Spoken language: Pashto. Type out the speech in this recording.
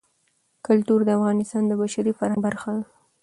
کلتور د افغانستان د بشري فرهنګ برخه ده.